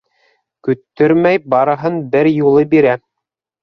Көттөрмәй, барыһын бер юлы бирә.